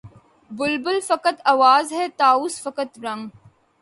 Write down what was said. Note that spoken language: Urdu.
بلبل فقط آواز ہے طاؤس فقط رنگ